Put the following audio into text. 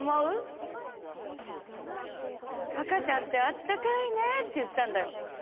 「赤ちゃんってあったかいね」って言ったんだよ。